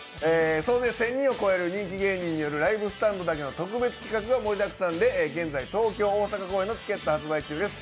総勢１０００人を超える人気芸人による「ＬＩＶＥＳＴＡＮＤ」だけの特別企画が盛りだくさんで現在、東京・大阪公演のチケット発売中です。